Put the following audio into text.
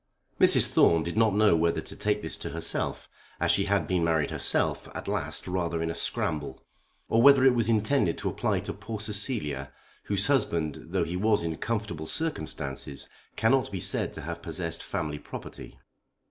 Mrs. Thorne did not know whether to take this to herself, as she had been married herself at last rather in a scramble, or whether it was intended to apply to poor Cecilia, whose husband, though he was in comfortable circumstances, cannot be said to have possessed family property.